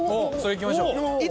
・それいきましょう。